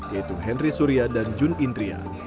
yaitu henry surya dan jun indria